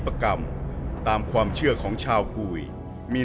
ชื่องนี้ชื่องนี้ชื่องนี้ชื่องนี้ชื่องนี้